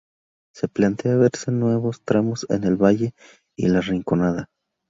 Se plantea verse nuevos tramos en El Valle y La Rinconada.